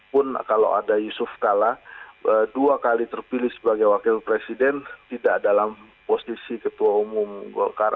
pun kalau ada yusuf kalla dua kali terpilih sebagai wakil presiden tidak dalam posisi ketua umum golkar